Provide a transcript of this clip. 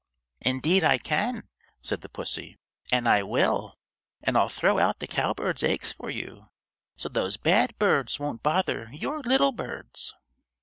"Indeed I can," said the pussy, "and I will, and I'll throw out the cowbird's eggs for you, so those bad birds won't bother your little birds."